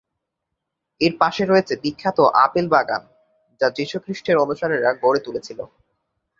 এর পাশে রয়েছে বিখ্যাত আপেল বাগান, যা যিশু খ্রিস্টের অনুসারীরা গড়ে তুলেছিল।